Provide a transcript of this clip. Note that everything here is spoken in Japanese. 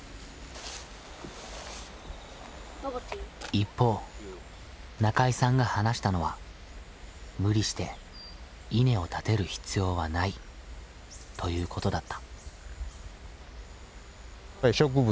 一方中井さんが話したのは無理して稲を立てる必要はないということだった。